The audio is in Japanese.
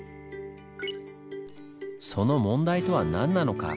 その問題とは何なのか？